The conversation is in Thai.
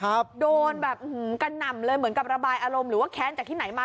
ครับโดนแบบอื้อหือกันหน่ำเลยเหมือนกับระบายอารมณ์หรือว่าแขนจากที่ไหนมา